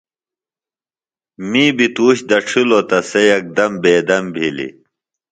می بیۡ تُوش دڇِھلوۡ تہ سےۡ یکدم بیدم بِھلیۡ۔